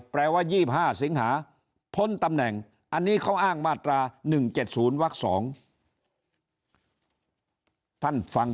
แปลว่า๒๕สิงหาพ้นตำแหน่งอันนี้เขาอ้างมาตรา๑๗๐วัก๒ท่านฟัง